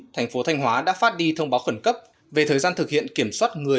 thành phố thanh hóa đã phát đi thông báo khẩn cấp về thời gian thực hiện kiểm soát người